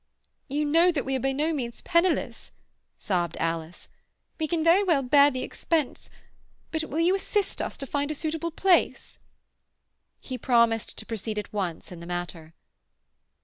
"You know that we are by no means penniless," sobbed Alice. "We can very well bear the expense. But will you assist us to find a suitable place?" He promised to proceed at once in the matter.